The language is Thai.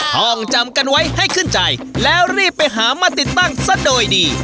ต้องจำกันไว้ให้ขึ้นใจแล้วรีบไปหามาติดตั้งซะโดยดี